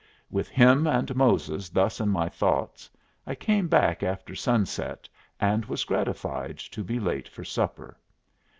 With him and Moses thus in my thoughts, I came back after sunset, and was gratified to be late for supper.